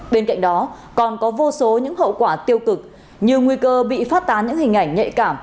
bên cạnh đó còn có vô số những hậu quả tiêu cực như nguy cơ bị phát tán những hình ảnh nhạy cảm